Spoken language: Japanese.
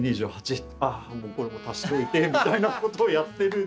これも足しといてみたいなことをやってる。